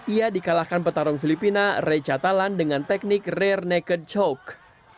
ia di kalahkan petarung filipina ray catalan dengan teknik rare naked choke